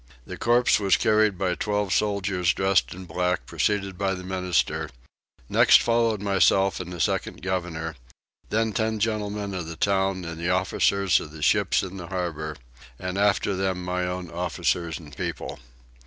The corpse was carried by twelve soldiers dressed in black preceded by the minister; next followed myself and the second governor; then ten gentlemen of the town and the officers of the ships in the harbour; and after them my own officers and people.